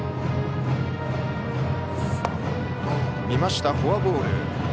見ました、フォアボール。